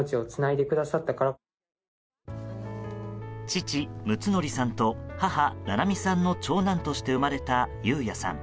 父・睦雅さんと母・七美さんの長男として生まれた雄也さん。